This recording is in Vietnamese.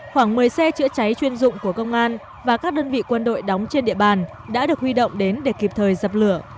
khoảng một mươi xe chữa cháy chuyên dụng của công an và các đơn vị quân đội đóng trên địa bàn đã được huy động đến để kịp thời dập lửa